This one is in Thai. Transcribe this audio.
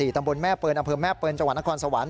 ตำรวจแม่เปิ่ลอแม่เปิ่ลจคสค